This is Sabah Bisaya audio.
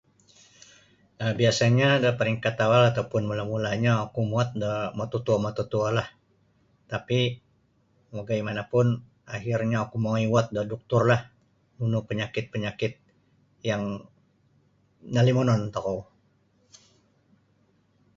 um biasanyo da peringkat awal atau pun mula'-mula'nyo oku muwot da mututuo- mututuolah tapi' bagaimanapun akhirnyo oku mongoi uwot da doktorlah nunu panyakit-panyakit yang nalimonon tokou.